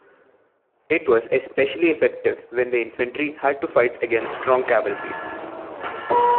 It was especially effective when the infantry had to fight against strong cavalry.